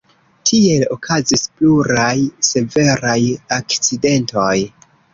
Tiel okazis pluraj severaj akcidentoj.